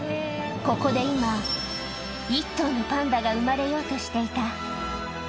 ここで今、１頭のパンダが産まれようとしていた。